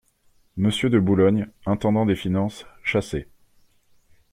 Monsieur de Boulogne, intendant des finances, chassé.